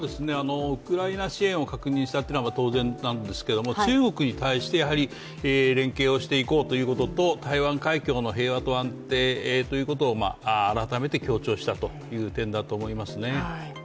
ウクライナ支援を確認したというのは当然なんですけれども、中国に対して連携をしていこうということと、台湾海峡の平和と安定ということを改めて強調したという点だと思いますね。